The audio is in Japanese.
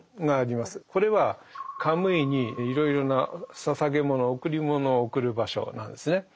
これはカムイにいろいろな捧げ物贈り物を贈る場所なんですね。